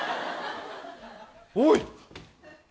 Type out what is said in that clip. おい！